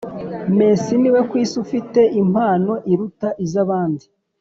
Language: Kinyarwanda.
messi niwe ku isi ufite impano iruta izabandi